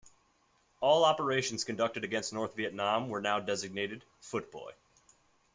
All operations conducted against North Vietnam were now designated "Footboy".